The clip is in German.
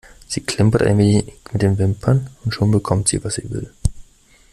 Sie klimpert ein wenig mit den Wimpern und schon bekommt sie, was sie will.